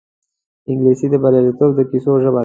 انګلیسي د بریالیتوب د کیسو ژبه ده